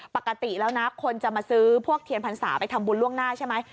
ปกติแล้วนะคนจะมาซื้อพวกเทียนพรรษาไปทำบุญล่วงหน้าใช่ไหม